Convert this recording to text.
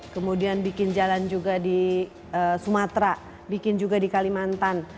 kemudian bikin jalan juga di sumatera bikin juga di kalimantan